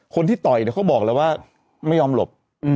คนที่ต่อยเขาบอกแล้วว่าไม่ยอมหลบ